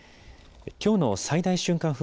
きょうの最大瞬間